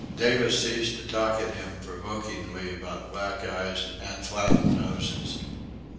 Davis ceased to talk at him provokingly about black eyes and flattened noses.